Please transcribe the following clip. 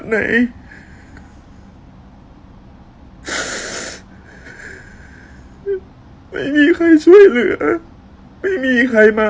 สุขภาพจิตอดเสียไปเลยนะครับทุกคนรู้สึกแย่มากมากมากมาก